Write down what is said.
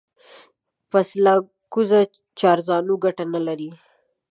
پسله گوزه چارزانو گټه نه لري.